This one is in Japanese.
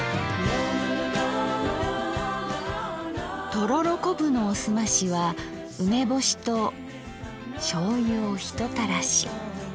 とろろこぶのおすましは梅干しと醤油をひとたらし。